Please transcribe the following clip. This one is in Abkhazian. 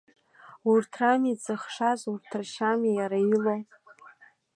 Урҭ рами дзыхшаз, урҭ ршьами иара илоу?